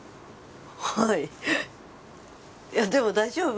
はいいやでも大丈夫？